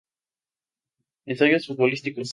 Ensayos futbolísticos